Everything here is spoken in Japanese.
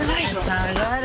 下がれ。